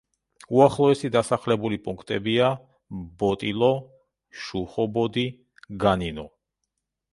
უახლოესი დასახლებული პუნქტებია: ბოტილო, შუხობოდი, განინო.